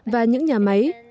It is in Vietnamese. và những nhà máy